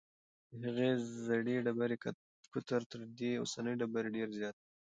د هغې زړې ډبرې قطر تر دې اوسنۍ ډبرې ډېر زیات و.